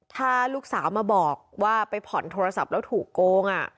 ถ้าลูกสาวมาบอกว่าไปผ่อนโทรศัพท์แล้วถูกโกง